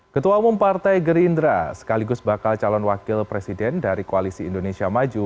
ketua umum partai gerindra sekaligus bakal calon wakil presiden dari koalisi indonesia maju